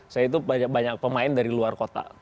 saya itu banyak pemain dari luar kota